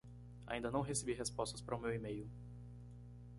Ainda não recebi respostas para o meu email.